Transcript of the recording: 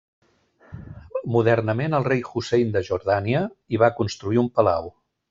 Modernament el rei Hussein de Jordània hi va construir un palau.